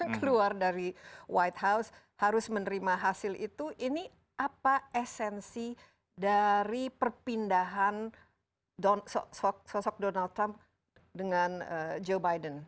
keluar dari white house harus menerima hasil itu ini apa esensi dari perpindahan sosok donald trump dengan joe biden